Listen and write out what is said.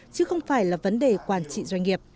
chứ không phải là vấn đề quản trị doanh nghiệp